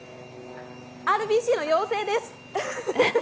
ＲＢＣの妖精です！